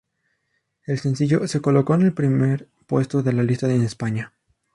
El sencillo se colocó en el primer puesto de la lista en España.